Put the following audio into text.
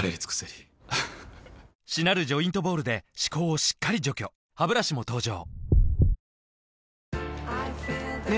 りしなるジョイントボールで歯垢をしっかり除去ハブラシも登場